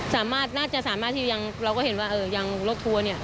น่าจะสามารถที่เราก็เห็นว่าเออยังรถทัวร์เนี่ย